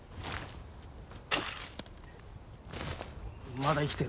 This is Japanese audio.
まだ生きてる。